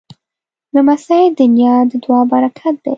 لمسی د نیا د دعا پرکت دی.